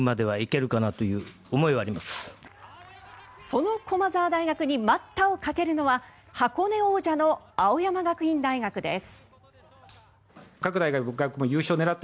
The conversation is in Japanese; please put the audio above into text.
その駒澤大学に待ったをかけるのは箱根王者の青山学院大学です。